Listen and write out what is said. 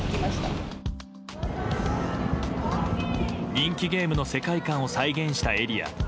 人気ゲームの世界観を再現したエリア。